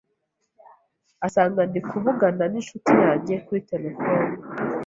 asanga ndi kuvugana n’inshuti yanjye kuri telephone